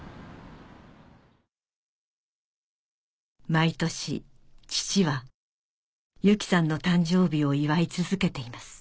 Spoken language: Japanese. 毎年父は優希さんの誕生日を祝い続けています